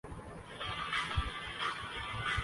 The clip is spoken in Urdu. اس کی ضرورت اب اتنی نہیں رہی